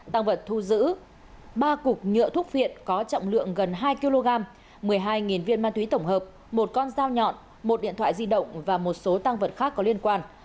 tăng vật thu giữ ba cục nhựa thuốc phiện có trọng lượng gần hai kg một mươi hai viên ma túy tổng hợp một con dao nhọn một điện thoại di động và một số tăng vật khác có liên quan